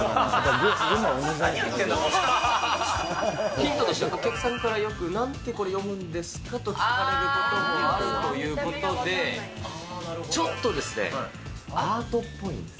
ヒントとしてはお客さんからよくなんてこれ、読むんですか？と聞かれることもあるということで、ちょっとですね、アートっぽいんです。